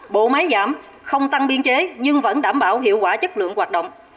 bộ máy giảm không tăng biên chế nhưng vẫn đảm bảo hiệu quả chất lượng hoạt động